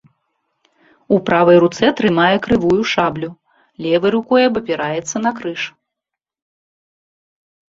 У правай руцэ трымае крывую шаблю, левай рукой абапіраецца на крыж.